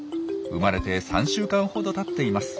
生まれて３週間ほどたっています。